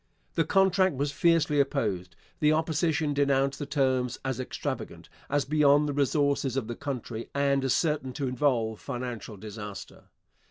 The contract was fiercely opposed. The Opposition denounced the terms as extravagant, as beyond the resources of the country, and as certain to involve financial disaster.